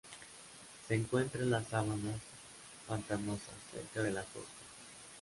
Se encuentra en las sabanas pantanosas cerca de la costa.